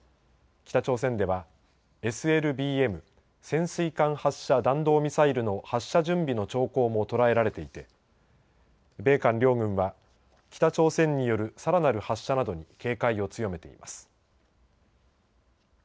北朝鮮ではＳＬＢＭ＝潜水艦発射弾道ミサイルの発射準備の兆候も捉えられていて米韓両軍は北朝鮮によるさらなる発射などに警戒を強めています。